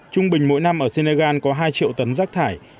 trung bình mỗi năm ở senegal có hai triệu tấn rác thải